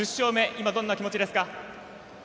今、どんなお気持ちですか？